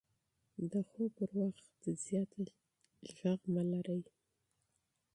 د خوب پر مهال دروند شور مه کوئ.